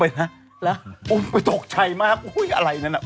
บ่นรอเนิ่่งคนนี้แม่บ่นอุ้มหราคณา